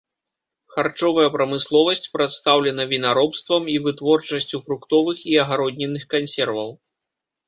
Харчовая прамысловасць прадстаўлена вінаробствам і вытворчасцю фруктовых і агароднінных кансерваў.